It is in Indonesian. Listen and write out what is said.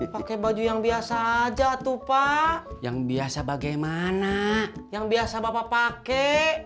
pakai baju yang biasa aja tuh pak yang biasa bagaimana yang biasa bapak pakai